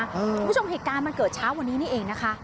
คุณผู้ชมเหตุการณ์มันเกิดเช้าวันนี้นี่เองนะคะ